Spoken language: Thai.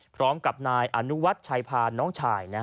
พร้อมกับนายอนุวัฒน์ชัยพาน้องชาย